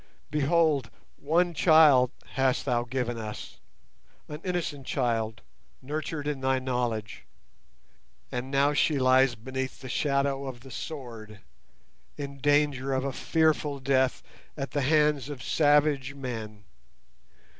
Behold, one child hast Thou given us—an innocent child, nurtured in Thy knowledge—and now she lies beneath the shadow of the sword, in danger of a fearful death at the hands of savage men.